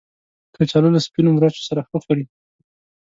کچالو له سپینو مرچو سره ښه خوري